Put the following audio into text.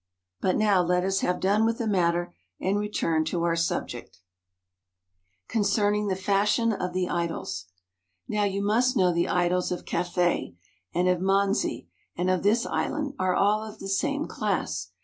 But now let us have done with that matter, and return to our subject. THE EARLY EXPLORERS 5 Concerning the Fashion of the Idols Now you must know that the idols of Cathay, and of Manzi, and of this island, are all of the same class.